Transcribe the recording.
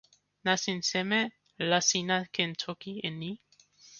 nasin seme la sina ken toki e ni?